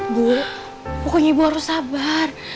bu pokoknya harus sabar